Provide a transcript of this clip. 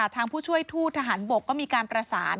ผู้ช่วยทูตทหารบกก็มีการประสาน